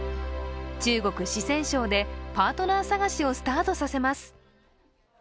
中国・四川省で、パートナー探しをスタートさせます。